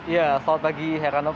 ya salam bagi heranop